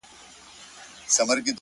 o خو اوس د اوښكو سپين ځنځير پر مخ گنډلی؛